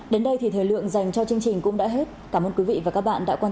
đến đây thì thời lượng dành cho chương trình cũng đã hết cảm ơn quý vị và các bạn đã quan